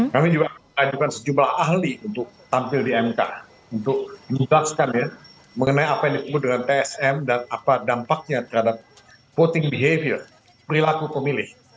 kami juga ajukan sejumlah ahli untuk tampil di mk untuk menjelaskan mengenai apa yang disebut dengan tsm dan apa dampaknya terhadap voting behavior perilaku pemilih